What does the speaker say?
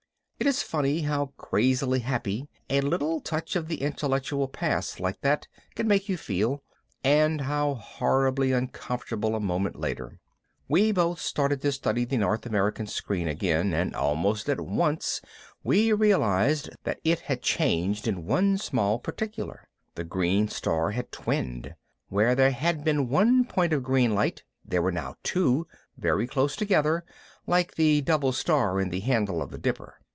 It is funny how crazily happy a little touch of the intellectual past like that can make you feel and how horribly uncomfortable a moment later. We both started to study the North America screen again and almost at once we realized that it had changed in one small particular. The green star had twinned. Where there had been one point of green light there were now two, very close together like the double star in the handle of the Dipper.